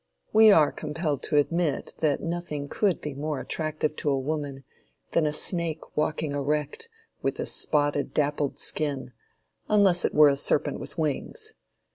We are compelled to admit that nothing could be more attractive to a woman than a snake walking erect, with a "spotted, dappled skin," unless it were a serpent with wings.